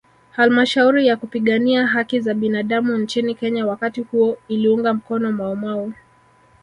Halmashauri ya kupigania haki za binadamu nchini Kenya wakati huo iliunga mkono maumau